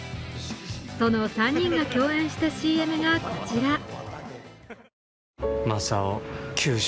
その３人が、共演したＣＭがこちら。